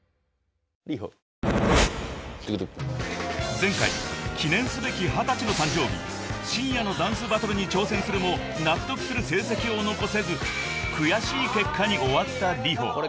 ［前回記念すべき２０歳の誕生日深夜のダンスバトルに挑戦するも納得する成績を残せず悔しい結果に終わったＲｉｈｏ］